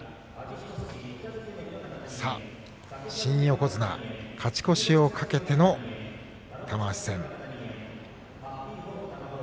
さあ新横綱、勝ち越しを懸けての玉鷲戦です。